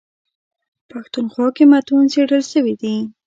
پښتونخوا کي متون څېړل سوي دي.